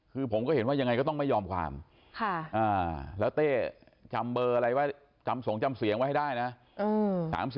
คือผมก็เห็นว่ายังไงก็ต้องไม่ยอมความแล้วเต้จำเบอร์อะไรไว้จำสงจำเสียงไว้ให้ได้นะ